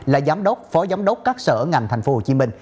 là giám đốc phó giám đốc các sở ngành tp hcm